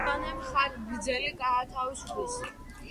ივანე მხარგრძელი გაათავისუფლეს.